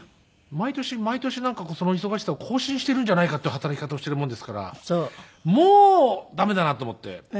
毎年毎年なんかその忙しさを更新しているんじゃないかっていう働き方をしているもんですからもう駄目だなと思って。